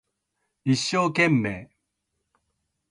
一生懸命